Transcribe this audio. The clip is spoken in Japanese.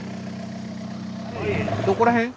どこら辺？